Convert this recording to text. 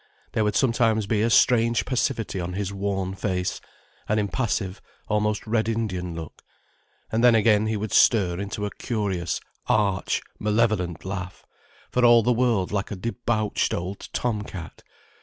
There would sometimes be a strange passivity on his worn face, an impassive, almost Red Indian look. And then again he would stir into a curious, arch, malevolent laugh, for all the world like a debauched old tom cat.